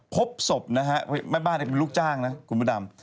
พบศพนะฮะแม่บ้านเป็นลูกจ้างนะคุณพระดำ